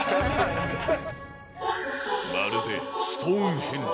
まるでストーンヘンジ。